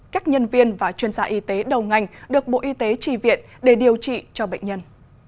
các nhân viên và chuyên gia y tế đầu ngành được bộ y tế trì viện để điều trị cho bệnh nhân